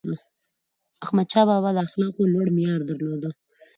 احمدشاه بابا د اخلاقو لوړ معیار درلود.